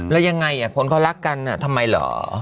แล้วยังไงคนเขารักกันทำไมเหรอ